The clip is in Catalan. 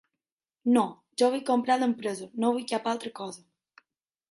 No, jo vull comprar l'empresa, no vull cap altra cosa.